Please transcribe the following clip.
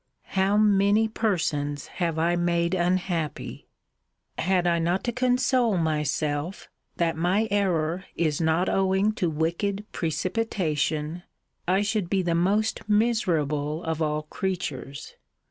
How many persons have I made unhappy. Had I not to console myself, that my error is not owing to wicked precipitation, I should be the most miserable of all creatures.